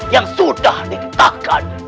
yang sudah diketahkan